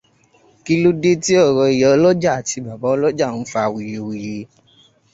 Kí ló dé tí ọ̀rọ̀ Ìyálọ́jà àti Babalọja ń fà awuyewuye?